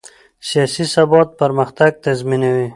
سیاسي ثبات پرمختګ تضمینوي